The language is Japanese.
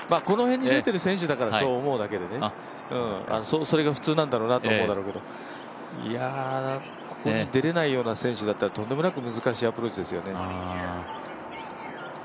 この辺に出てる選手だからそう思うだけでねそれが普通なんだろうなと思うけど、ここに出れないような選手だったらとんでもなく難しいアプローチですよね。